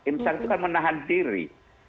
insang itu kan menahan diri